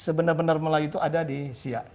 sebenar benar melayu itu ada di siak